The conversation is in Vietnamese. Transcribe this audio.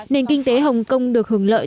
nền kinh tế hồng kông được hưởng lợi